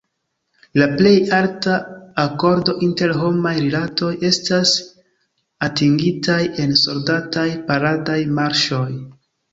La plej alta akordo inter homaj rilatoj estas atingitaj en soldataj paradaj marŝoj.